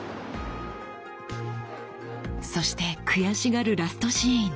そして悔しがるラストシーン。